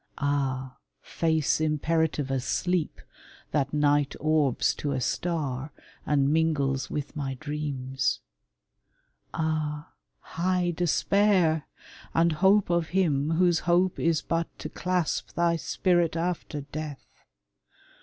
Ah, face imperative as sleep, that night Orbs to a star, and mingles with my dreams! Ah, high despair, and hope of him whose hope Is but to clasp thy spirit after death!